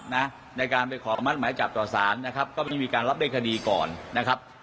ในการไปขอมัดหมายจับต่อสารนะครับก็ไม่ต้องมีการรับได้คดีก่อนนะครับ